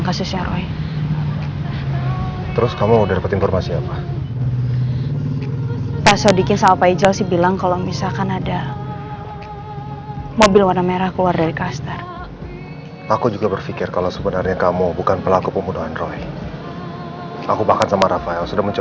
allah ya allah letakkan sport hoho